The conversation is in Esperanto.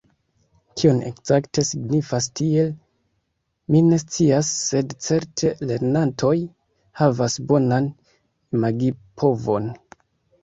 Kion ekzakte signifas 'tiel', mi ne scias, sed certe lernantoj havas bonan imagipovon.